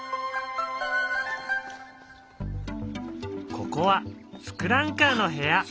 ここは「ツクランカー」の部屋。